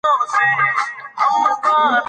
موږ کولای شو غوره دولتي پروګرامونه جوړ کړو.